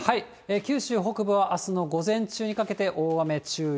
九州北部はあすの午前中にかけて、大雨注意。